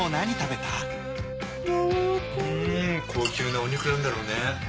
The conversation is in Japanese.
高級なお肉なんだろうね。